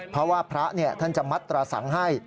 เพราะว่าพระท่านจะมัดตราสังให้